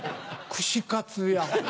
串カツや。